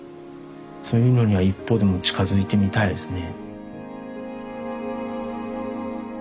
そういうのには一歩でも近づいてみたいですね。